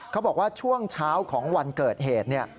เขาบอกว่าช่วงเช้าของวันเกิดเหตุ